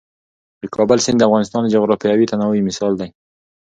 د کابل سیند د افغانستان د جغرافیوي تنوع یو مثال دی.